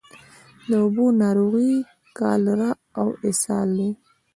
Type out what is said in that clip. د اوبو ناروغۍ کالرا او اسهال دي.